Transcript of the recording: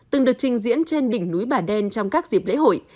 từng được trình diễn trên đỉnh núi bà đen trong các dịp lễ hội